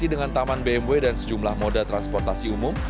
dengan taman bmw dan sejumlah moda transportasi umum